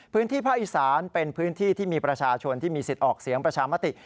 พื้นที่ภาคอีสานเป็นพื้นที่ที่มีประชาชนที่มีสิทธิ์ออกเสียงประชามติ